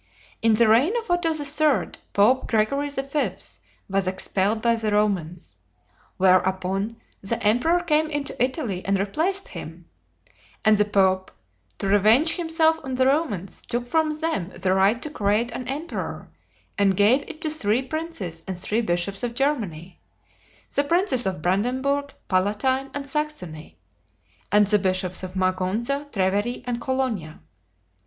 In the reign of Otho III., Pope Gregory V. was expelled by the Romans; whereupon the emperor came into Italy and replaced him; and the pope, to revenge himself on the Romans, took from them the right to create an emperor, and gave it to three princes and three bishops of Germany; the princes of Brandenburg, Palatine, and Saxony, and the bishops of Magonza, Treveri, and Colonia.